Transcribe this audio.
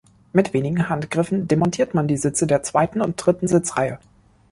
Mit wenigen Handgriffen demontiert man die Sitze der zweiten und dritten Sitzreihe.